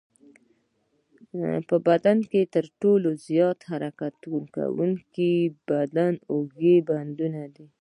په بدن کې تر ټولو زیات حرکت کوونکی بند د اوږې بند دی.